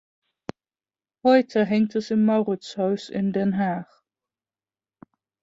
Heute hängt es im Mauritshuis in Den Haag.